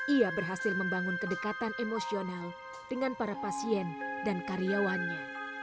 ia berhasil membangun kedekatan emosional dengan para pasien dan karyawannya